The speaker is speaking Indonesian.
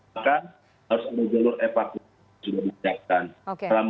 maka harus ada jalur evakuasi yang sudah disiapkan